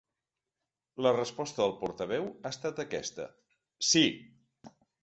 La resposta del portaveu ha estat aquesta: Sí.